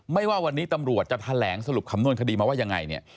ว่าวันนี้ตำรวจจะแถลงสรุปสำนวนคดีมาว่ายังไงเนี่ย